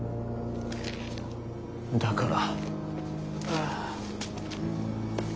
だから。